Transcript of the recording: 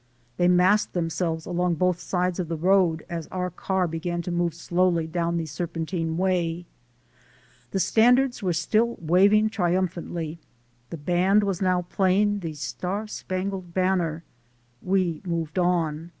They massed themselves along both sides of the road, as our car began to move slowly down the serpentine way. The standards were still waving tri umphantly. The band was now playing "The Star Spangled Banner." We moved on.